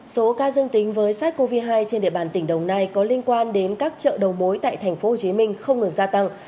số ca dương tính với sars cov hai trên địa bàn tỉnh đồng nai có liên quan đến các chợ đầu mối tại tp hcm không ngừng gia tăng